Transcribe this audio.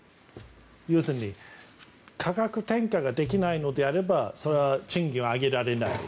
要するに価格転嫁ができないのであればそれは賃金を上げられない。